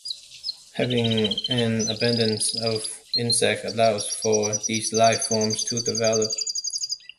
Having an abundance of insects allows for these life-forms to develop.